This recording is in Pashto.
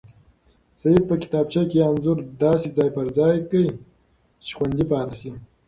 سعید په کتابچه کې انځور داسې ځای پر ځای کړ چې خوندي پاتې شي.